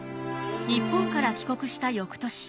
日本から帰国した翌年。